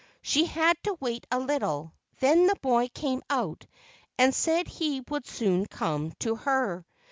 She had to wait a little, then the boy came out and said he would soon come to her.